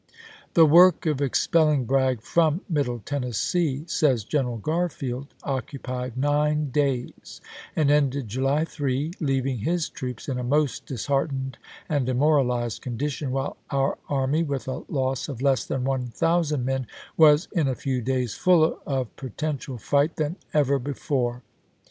1863. " The work of expelling Bragg from Middle Ten nessee," says General Garfield, " occupied nine days, and ended July 3, leaving his troops in a most disheartened and demoralized condition, while our army, with a loss of less than one thousand Garfield to men, was, in a few days, fuller of potential fight Juiy27,i863. than ever before."